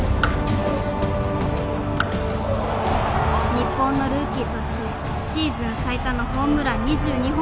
日本のルーキーとしてシーズン最多のホームラン２２本も記録。